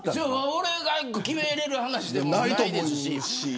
俺が決められる話でもないですし。